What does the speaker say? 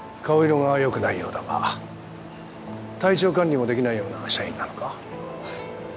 顔色がよくないようだが体調管理もできないような社員なのか？